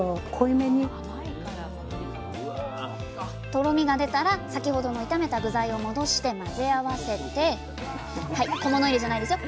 とろみが出たら先ほどの炒めた具材を戻して混ぜ合わせて小物入れじゃないですよ。